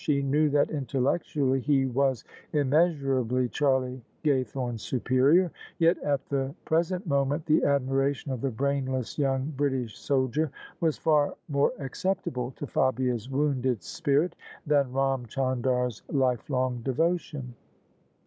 She knew that intellectually he was immeasurably Charlie Gaythorne's superior; yet at the pres ent moment the admiration of the brainless young British soldier was far more acceptable to Fabia's wounded spirit than Ram Chandar's life long devotion.